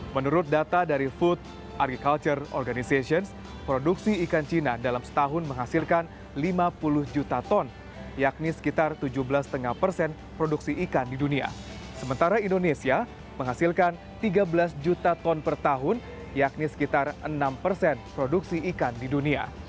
tiga belas juta ton per tahun yakni sekitar enam persen produksi ikan di dunia